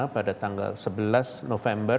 pada tanggal sebelas november dua ribu dua puluh satu